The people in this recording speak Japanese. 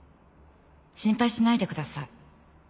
心配しないで下さい」